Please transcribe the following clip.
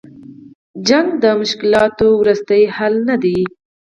جګړه د مشکلاتو وروستۍ حل نه دی.